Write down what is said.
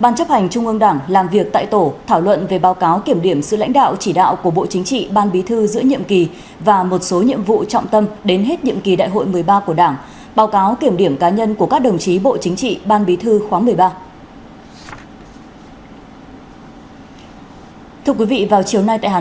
ban chấp hành trung ương đảng làm việc tại tổ thảo luận về báo cáo kiểm điểm sự lãnh đạo chỉ đạo của bộ chính trị ban bí thư giữa nhiệm kỳ và một số nhiệm vụ trọng tâm đến hết nhiệm kỳ đại hội một mươi ba của đảng báo cáo kiểm điểm cá nhân của các đồng chí bộ chính trị ban bí thư khóa một mươi ba